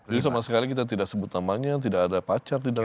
jadi sama sekali kita tidak sebut namanya tidak ada pacar di dalam